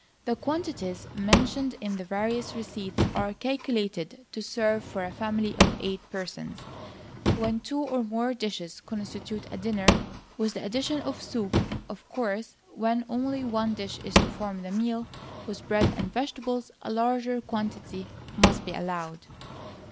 The quantities mentioned in the various receipts are calculated to serve for a family of eight persons, when two or more dishes constitute a dinner, with the addition of soup; of course when only one dish is to form the meal, with bread and vegetables, a larger quantity must be allowed.